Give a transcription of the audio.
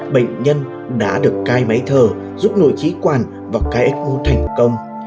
bệnh nhân đã được cai máy thở giúp nội trí quản và cai ếch mô thành công